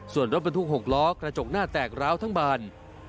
ส่วนรถบรรทุก๖ล้อกระจกหน้าแตกร้าวทั้งบาน